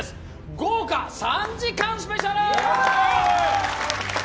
豪華３時間スペシャル！